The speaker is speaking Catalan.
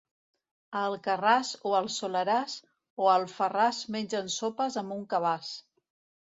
A Alcarràs o al Soleràs, o a Alfarràs mengen sopes amb un cabàs.